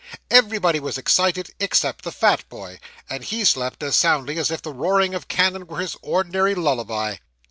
Everybody was excited, except the fat boy, and he slept as soundly as if the roaring of cannon were his ordinary lullaby.